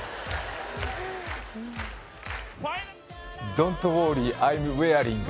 ドント・ウォーリー、アイム・ウェアリング。